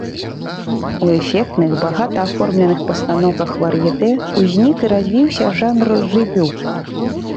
У эфектных, багата аформленых пастаноўках вар'етэ ўзнік і развіўся жанр рэвю.